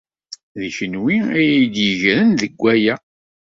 D kenwi ay iyi-d-yegren deg waya!